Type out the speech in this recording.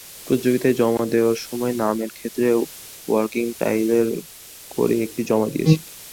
প্রতিযোগিতায় জমা দেওয়ার সময় নামের ক্ষেত্রে ওয়ার্কিং টাইটেল করে এটি জমা দিয়েছিলাম।